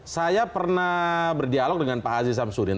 saya pernah berdialog dengan pak aziz samsudin